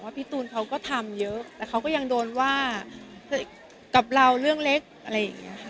พี่ตูนเขาก็ทำเยอะแต่เขาก็ยังโดนว่ากับเราเรื่องเล็กอะไรอย่างนี้ค่ะ